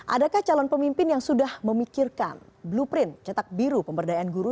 adakah calon pemimpin yang sudah memikirkan blueprint cetak biru pemberdayaan guru